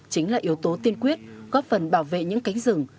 chính là yếu tố tiên quyết góp phần bảo vệ những cánh rừng